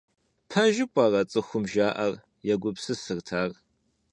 - Пэжу пӀэрэ цӀыхум жаӀэр? - егупсысырт ар.